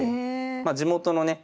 地元のね